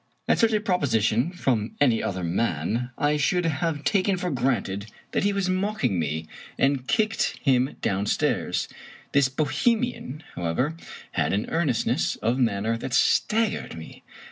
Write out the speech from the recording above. At such a proposition from any other man, I should have taken for granted that he was mocking me, and kicked him downstairs. This Bohemian, however, had an earnestness of manner that staggered me.